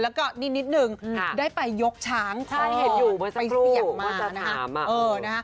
แล้วก็นิดได้ไปยกช้างพอไปเสี่ยงมา